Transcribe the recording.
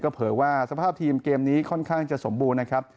เผยว่าสภาพทีมเกมนี้ค่อนข้างจะสมบูรณ์นะครับ